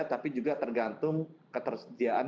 tapi juga tergantung ketersediaan